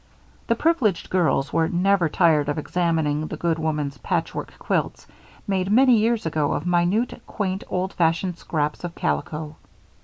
The privileged girls were never tired of examining the good woman's patchwork quilts, made many years ago of minute, quaint, old fashioned scraps of calico.